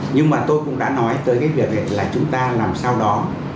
nhưng mà tôi cũng đã nói tới cái việc là chúng ta làm sao đó